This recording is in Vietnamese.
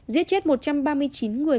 giết chết một trăm ba mươi chín người